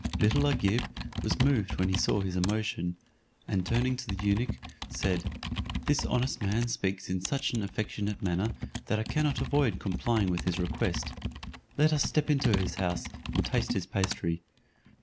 Little Agib was moved when he saw his emotion; and turning to the eunuch, said, "This honest man speaks in such an affectionate manner, that I cannot avoid complying with his request; let us step into his house, and taste his pastry."